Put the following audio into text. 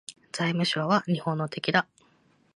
財務省は日本の敵だ